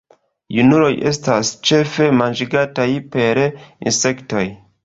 Junuloj estas ĉefe manĝigataj per insektoj.